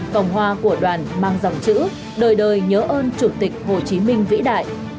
vòng hoa của đoàn mang dòng chữ đời đời nhớ ơn chủ tịch hồ chí minh vĩ đại